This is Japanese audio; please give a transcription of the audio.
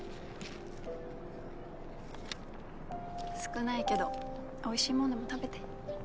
少ないけどおいしいもんでも食べて。